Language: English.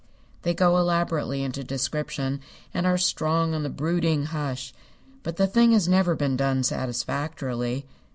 They go elaborately into description, and are strong on the brooding hush, but the thing has never been done satisfactorily.